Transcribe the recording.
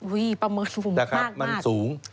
อุ๊ยประเมินกุลผมมากแต่ครับมันสูง